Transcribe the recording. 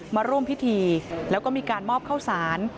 มาร่วมพิธีแล้วก็มีการมอบเข้าสาร